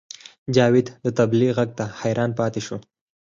جاوید د طبلې غږ ته حیران پاتې شو